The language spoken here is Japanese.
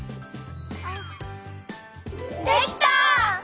できた！